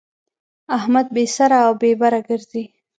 احمد بې سره او بې بره ګرځي.